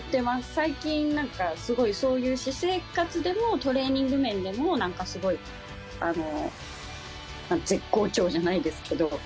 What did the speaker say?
最近、なんかすごいそういう私生活でも、トレーニング面でも、なんかすごい絶好調じゃないですけど。